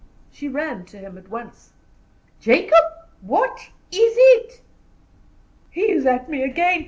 She ran to him at once. "Jacob, what is it?" "He is at me again!